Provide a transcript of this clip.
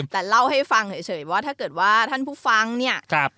แต่เล่าให้ฟังเฉยว่าถ้าเกิดว่าท่านผู้ฟังเนี่ย